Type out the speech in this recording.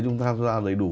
chúng ta lấy đủ